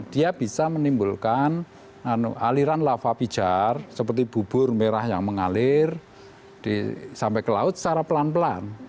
dia bisa menimbulkan aliran lava pijar seperti bubur merah yang mengalir sampai ke laut secara pelan pelan